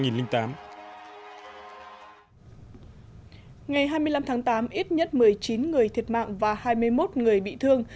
ngày hai mươi năm tháng tám ít nhất một mươi chín người thiệt mạng và hai mươi một người bị thương